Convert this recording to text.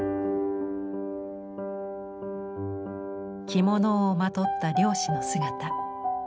着物をまとった漁師の姿。